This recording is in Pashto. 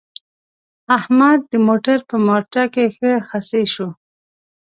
احمد د موټر په مارچه کې ښه خصي شو.